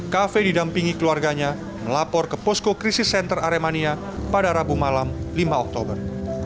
kafe didampingi keluarganya melapor ke posko krisis center aremania pada rabu malam lima oktober